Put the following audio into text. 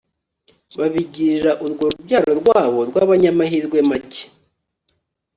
babigirira urwo rubyaro rwabo rwabanyamahirwe make